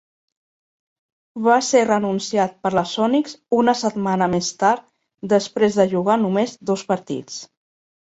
Va ser renunciat per la Sonics una setmana més tard després de jugar només dos partits.